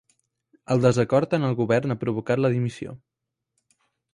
El desacord en el govern ha provocat la dimissió